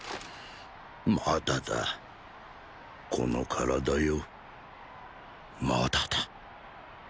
まだだこの体よまだだ。